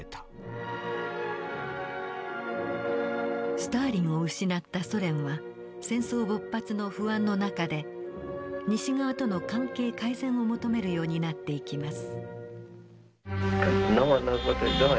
スターリンを失ったソ連は戦争勃発の不安の中で西側との関係改善を求めるようになっていきます。